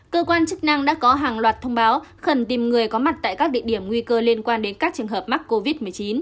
cơ quan chức năng đã có hàng loạt thông báo khẩn tìm người có mặt tại các địa điểm nguy cơ liên quan đến các trường hợp mắc covid một mươi chín